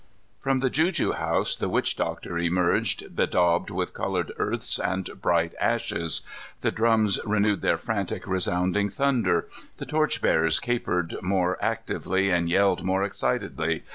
From the juju house the witch doctor emerged, bedaubed with colored earths and bright ashes. The drums renewed their frantic, resounding thunder. The torchbearers capered more actively, and yelled more excitedly.